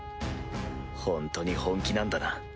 ホントに本気なんだな。